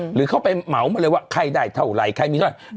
หรือเข้าไปเหมามาเลยว่าใครได้เท่าไหร่ใครมีเท่าไหร่